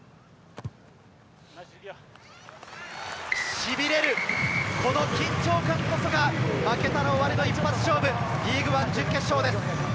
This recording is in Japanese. しびれる緊張感こそが負けたら終わりの一発勝負、リーグワン準決勝です。